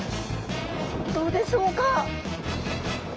どうでしょうか。